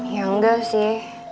ya enggak sih